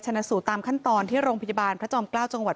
ชนะสูตรตามขั้นตอนที่โรงพยาบาลพระจอมเกล้าจังหวัด